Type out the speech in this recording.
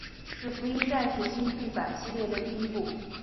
是福音战士新剧场版系列的第一部。